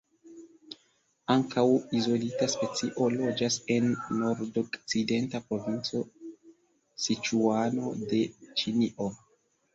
Ankaŭ izolita specio loĝas en nordokcidenta provinco Siĉuano de Ĉinio.